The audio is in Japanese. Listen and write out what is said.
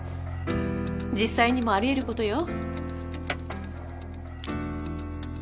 実際にもあり得ることよ。